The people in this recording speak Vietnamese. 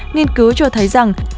nghiên cứu cho thấy rằng